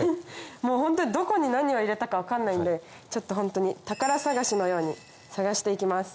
もうホントにどこに何を入れたか分かんないんでちょっとホントに宝探しのように探して行きます。